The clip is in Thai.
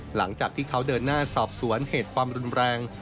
หลังจากที่เขาเดินหน้าสอบสวนเหตุความรุนแรง